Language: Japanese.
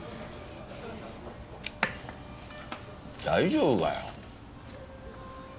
大丈夫かよ？